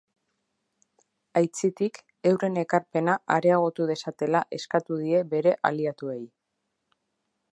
Aitzitik, euren ekarpena areagotu dezatela eskatu die bere aliatuei.